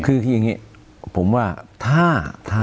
คือยังงี้ผมว่าถ้า